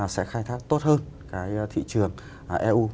sẽ khai thác tốt hơn cái thị trường eu